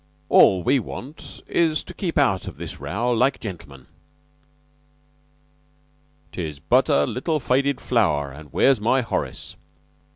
All we want is to keep out of this row like gentlemen." "'Tis but a little faded flower.' Where's my Horace?